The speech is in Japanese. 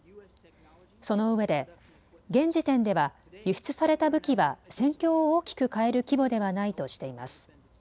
そのうえで、現時点では輸出された武器は戦況を大きく変える規模ではないとしています。